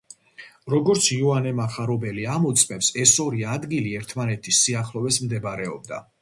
როგორც იოანე მახარებელი ამოწმებს, ეს ორი ადგილი ერთმანეთის სიახლოვეს მდებარეობდა.